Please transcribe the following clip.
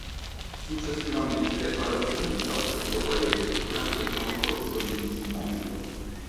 Successivamente ha rappresentato il suo paese durante il concorso di Miss Mondo.